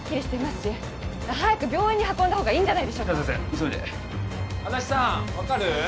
急いで足立さん分かる？